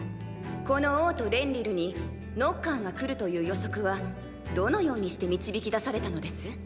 この王都レンリルにノッカーが来るという予測はどのようにして導き出されたのです？